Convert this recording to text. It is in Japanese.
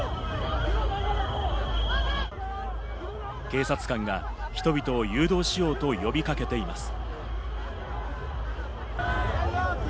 警察官が人々を誘導しようと呼びかけています。